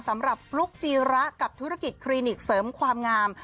สำหรับฟลุ๊กจีระกับธุรกิจคลินิกเสริมความงาม